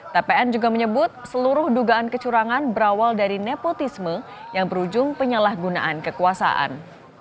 tpn juga menyebut seluruh dugaan kecurangan berawal dari nepotisme yang berujung penyalahgunaan kekuasaan